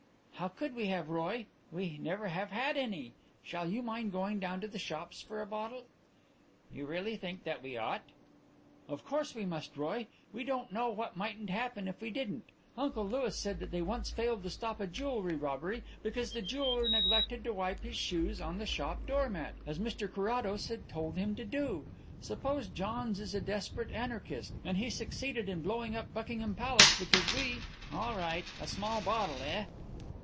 "How could we have, Roy? We never have had any. Shall you mind going down to the shops for a bottle?" "You really think that we ought?" "Of course we must, Roy. We don't know what mightn't happen if we didn't. Uncle Louis said that they once failed to stop a jewel robbery because the jeweller neglected to wipe his shoes on the shop doormat, as Mr Carrados had told him to do. Suppose Johns is a desperate anarchist and he succeeded in blowing up Buckingham Palace because we " "All right. A small bottle, eh?"